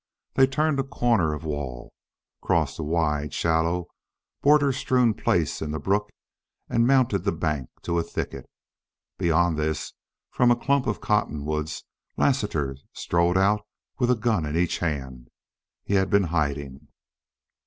They turned a corner of wall, crossed a wide, shallow, boulder strewn place in the brook, and mounted the bank to a thicket. Beyond this, from a clump of cottonwoods, Lassiter strode out with a gun in each hand. He had been hiding.